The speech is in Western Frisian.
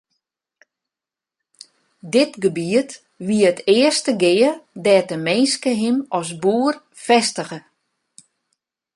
Dit gebiet wie it earste gea dêr't de minske him as boer fêstige.